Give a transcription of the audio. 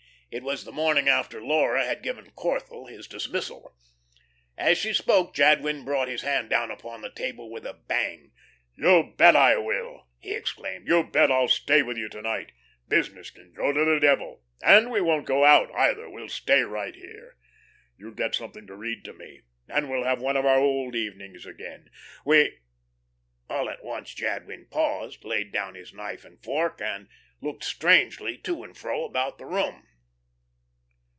It was the morning after Laura had given Corthell his dismissal. As she spoke Jadwin brought his hand down upon the table with a bang. "You bet I will," he exclaimed; "you bet I'll stay with you to night. Business can go to the devil! And we won't go out either; we'll stay right here. You get something to read to me, and we'll have one of our old evenings again. We " All at once Jadwin paused, laid down his knife and fork, and looked strangely to and fro about the room.